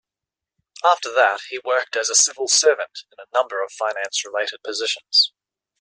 After that he worked as a civil servant in a number of finance-related positions.